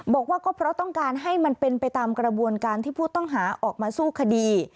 บอกว่าก็เพราะต้องการให้มันเป็นไปตามกระบวนการที่ผู้ต้องหาออกมาสู้คดี